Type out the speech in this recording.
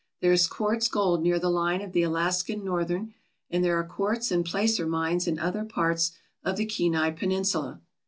There is quartz gold near the line of the Alaska Northern, and there are quartz and placer mines in other parts of the Kenai Peninsula.